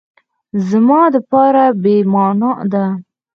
زما دپاره بی معنا ده